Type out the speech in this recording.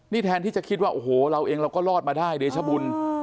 นี่แทนที่จะคิดว่าโอ้โหเราเองเราก็รอดมาได้เดชบุญ